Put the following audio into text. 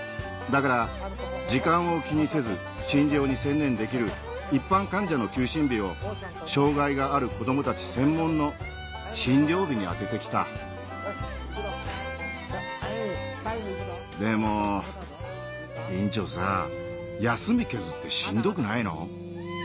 だから時間を気にせず診療に専念できる一般患者の休診日を障がいがある子供たち専門の診療日に充てて来たでも院長さぁ休み削ってしんどくないの？